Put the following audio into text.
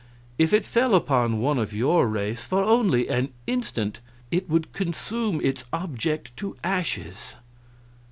If it fell upon one of your race for only an instant, it would consume its object to ashes.